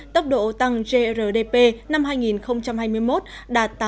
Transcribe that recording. tốc độ tăng grdp năm hai nghìn hai mươi một đạt tám năm chín